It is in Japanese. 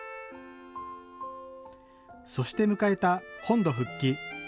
そして迎えた本土復帰。